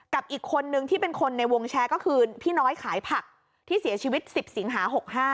กับอีกคนนึงที่เป็นคนในวงแชร์ก็คือพี่น้อยขายผักที่เสียชีวิต๑๐สิงหา๖๕